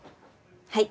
はい！